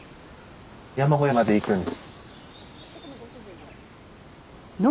山小屋まで行くんです。